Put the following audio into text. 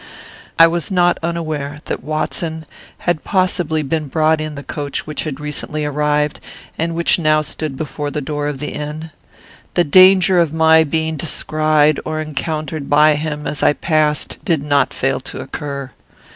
I was not unaware that Watson had possibly been brought in the coach which had recently arrived, and which now stood before the door of the inn. The danger of my being descried or encountered by him as I passed did not fail to occur.